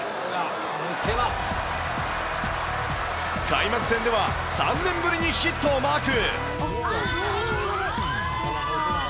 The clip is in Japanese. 開幕戦では、３年ぶりにヒットをマーク。